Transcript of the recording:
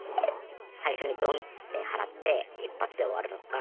最初にどんって払って一発で終わるのか